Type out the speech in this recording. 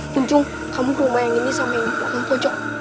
pencung kamu ke rumah yang ini sama yang di bawah pojok